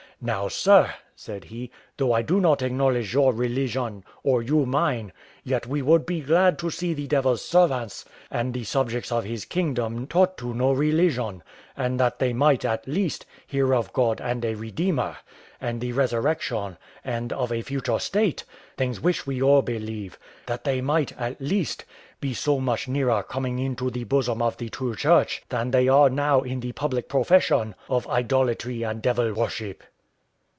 Now, sir," said he, "though I do not acknowledge your religion, or you mine, yet we would be glad to see the devil's servants and the subjects of his kingdom taught to know religion; and that they might, at least, hear of God and a Redeemer, and the resurrection, and of a future state things which we all believe; that they might, at least, be so much nearer coming into the bosom of the true Church than they are now in the public profession of idolatry and devil worship."